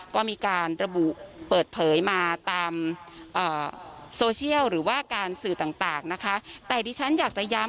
ก็มีการระบุเปิดเผยมาตามโซเชียลหรือว่าการสื่อต่างนะคะ